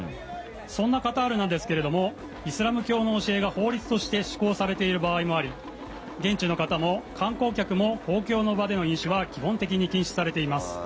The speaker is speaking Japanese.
そんなカタールなんですけれどもイスラム教の教えが法律として施行されている場合もあり現地の方も観光客も公共の場での飲酒は基本的に禁止されています。